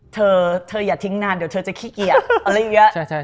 เธอเธออย่าทิ้งนานเดี๋ยวเธอจะขี้เกียจอะไรอย่างนี้